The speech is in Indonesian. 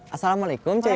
assalamualaikum cuy yoyo